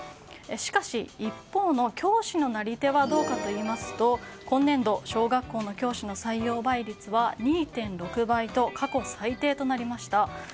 しかし、一方の教師のなり手はどうかといいますと今年度、小学校の教師の採用倍率は２．６倍と過去最低となりました。